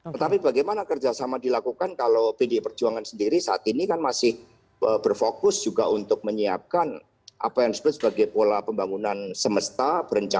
tetapi bagaimana kerjasama dilakukan kalau pdi perjuangan sendiri saat ini kan masih berfokus juga untuk menyiapkan apa yang disebut sebagai pola pembangunan semesta